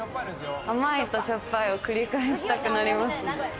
甘いとしょっぱいを繰り返したくなります。